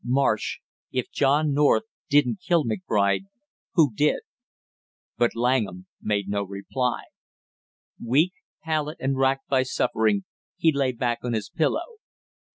"Marsh, if John North didn't kill McBride, who did?" But Langham made no reply. Weak, pallid, and racked by suffering, he lay back on his pillow.